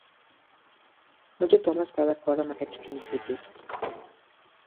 No tothom està d'acord amb aquests principis.